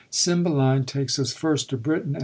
Cymbeline takes us first to Britain